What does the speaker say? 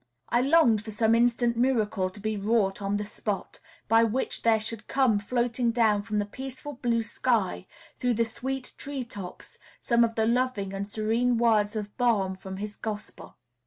I longed for some instant miracle to be wrought on the spot, by which there should come floating down from the peaceful blue sky, through the sweet tree tops, some of the loving and serene words of balm from his Gospel.